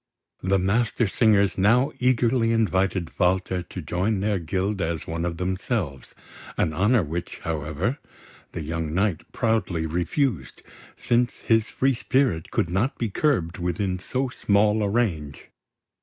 The Mastersingers now eagerly invited Walter to join their guild as one of themselves, an honour which, however, the young knight proudly refused, since his free spirit could not be curbed within so small a range.